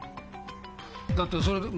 だってそれで。